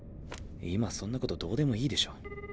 今そんなことどうでもいいでしょ。